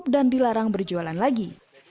dan dilarang berjualan lagi